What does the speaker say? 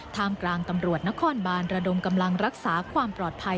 ท่ามกลางตำรวจนครบานระดมกำลังรักษาความปลอดภัย